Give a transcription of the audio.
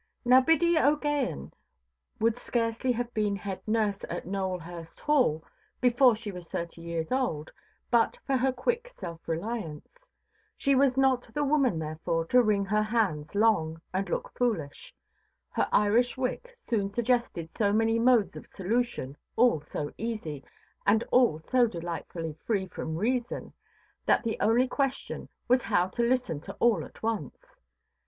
Now Biddy OʼGaghan would scarcely have been head–nurse at Nowelhurst Hall, before she was thirty years old, but for her quick self–reliance. She was not the woman therefore to wring her hands long, and look foolish. Her Irish wit soon suggested so many modes of solution, all so easy, and all so delightfully free from reason, that the only question was how to listen to all at once.